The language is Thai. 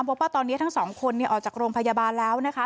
ว่าตอนนี้ทั้งสองคนออกจากโรงพยาบาลแล้วนะคะ